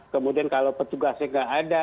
kemudian kalau petugasnya nggak ada